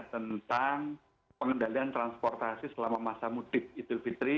tentang pengendalian transportasi selama masa mudik itv tiga